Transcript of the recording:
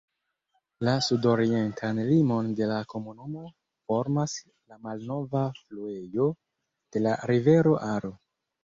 La sudorientan limon de la komunumo formas la malnova fluejo de la rivero Aro.